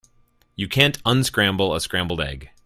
You can't unscramble a scrambled egg.